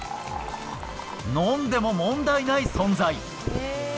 飲んでも問題ない存在。